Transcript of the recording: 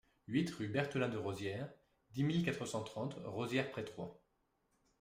huit rue Berthelin de Rosières, dix mille quatre cent trente Rosières-près-Troyes